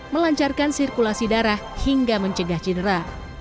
melancarkan sirkulasi darah hingga mencegah cinta